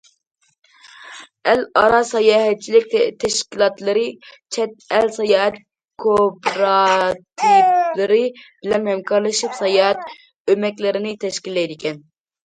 ئەل ئارا ساياھەتچىلىك تەشكىلاتلىرى چەت ئەل ساياھەت كوپىراتىپلىرى بىلەن ھەمكارلىشىپ ساياھەت ئۆمەكلىرىنى تەشكىللەيدىكەن.